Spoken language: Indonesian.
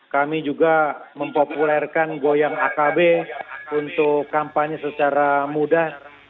kami juga mempopulerkan goyang akb untuk kampanye secara mudah